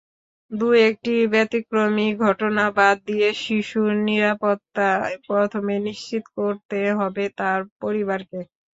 দু-একটি ব্যতিক্রমী ঘটনা বাদ দিয়ে শিশুর নিরাপত্তা প্রথমে নিশ্চিত করতে হবে তার পরিবারকে।